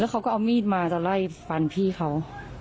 เขาก็เอามีดมาจะไล่ฟันพี่เขา